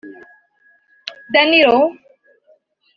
Danilo